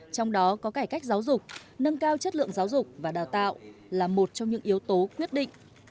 trong đó có cải cách giáo dục nâng cao chất lượng giáo dục và đào tạo là một trong những yếu tố quyết định